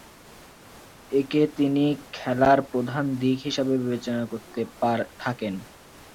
একে তিনি খেলার প্রধান দিক হিসেবে বিবেচনা করতে থাকেন।